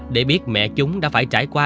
để biết mẹ chúng đã phải trải qua